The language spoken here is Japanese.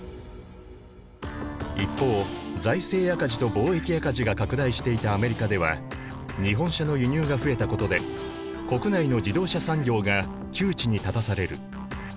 一方財政赤字と貿易赤字が拡大していたアメリカでは日本車の輸入が増えたことで国内の自動車産業が窮地に立たされる。